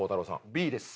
Ｂです